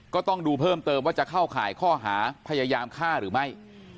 ก็ต้องดูเพิ่มเติมว่าจะเข้าข่ายข้อหาพยายามฆ่าหรือไม่